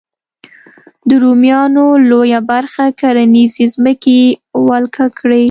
د رومیانو لویه برخه کرنیزې ځمکې ولکه کړې.